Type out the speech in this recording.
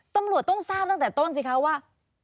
ตำรวจต้องทราบตั้งแต่ต้นสิคะว่า